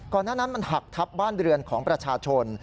หน้านั้นมันหักทับบ้านเรือนของประชาชน